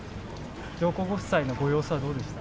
上皇ご夫妻のご様子はどうでした？